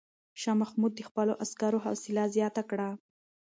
شاه محمود د خپلو عسکرو حوصله زیاته کړه.